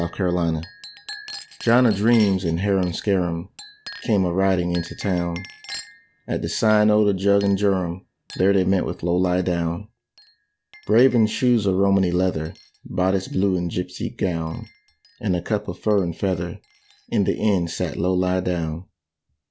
THE BALLAD OF LOW LIE DOWN John a dreams and Harum Scarum Came a riding into town: At the Sign o' the Jug and Jorum There they met with Low lie down. Brave in shoes of Romany leather, Bodice blue and gipsy gown, And a cap of fur and feather, In the inn sat Low lie down.